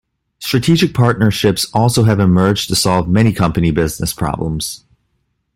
Strategic partnerships also have emerged to solve many company business problems.